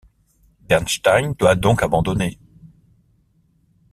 Bernstein doit donc abandonner.